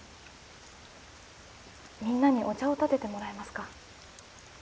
みんなにお茶をたててもらえますか？